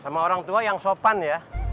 sama orang tua yang sopan ya